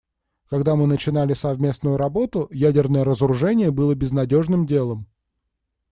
Когда мы начинали совместную работу, ядерное разоружение было безнадежным делом.